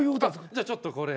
じゃあちょっと。